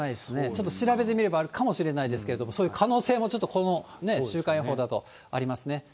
ちょっと調べてみればあるかもしれないですけど、そういう可能性もちょっと、この週間予報だとありますね。